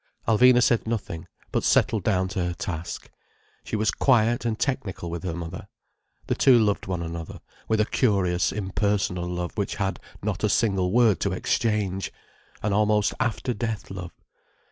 Alvina said nothing, but settled down to her task. She was quiet and technical with her mother. The two loved one another, with a curious impersonal love which had not a single word to exchange: an almost after death love.